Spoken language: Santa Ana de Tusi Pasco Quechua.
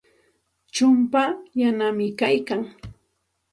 Chumpaa yanami kaykan.